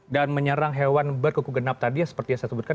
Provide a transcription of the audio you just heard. dan menyerang hewan berkuku genap tadi seperti yang saya sebutkan